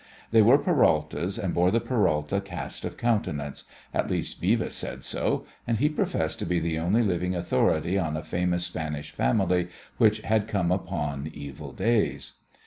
They were Peraltas, and bore the Peralta cast of countenance at least Beavis said so, and he professed to be the only living authority on a famous Spanish family which had come upon evil days.